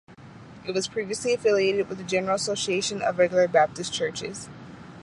It was previously affiliated with the General Association of Regular Baptist Churches.